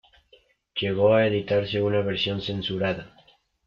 Llegó a editarse una versión censurada.